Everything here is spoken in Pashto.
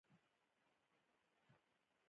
شګه کورونه جوړوي.